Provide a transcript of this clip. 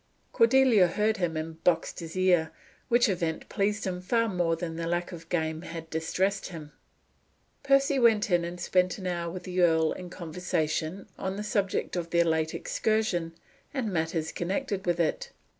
Cordelia heard him, and boxed his ear, which event pleased him far more than the lack of game had distressed him. Percy went in and spent an hour with the earl in conversation on the subject of their late excursion and matters connected with it.